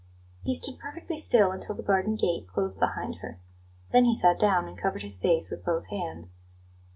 He stood perfectly still until the garden gate closed behind her; then he sat down and covered his face with both hands.